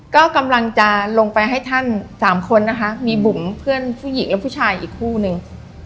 ก็กำลังจะลงไปให้ท่านสามคนนะคะมีบุ๋มเพื่อนผู้หญิงและผู้ชายอีกคู่นึง